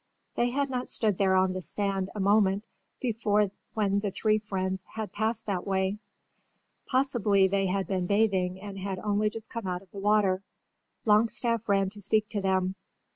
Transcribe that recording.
They had not stood there on the sand a moment before when the three friends had passed that way. Possibly they had been bathing and had only just come out of the water. Longstaff ran to speak to them.